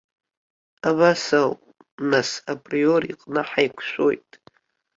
Абас ауп, нас, априор иҟны ҳаиқәшәоит.